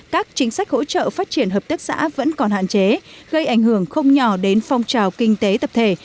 các chính sách hỗ trợ phát triển hợp tác xã vẫn còn hạn chế gây ảnh hưởng không nhỏ đến phong trào kinh tế tập thể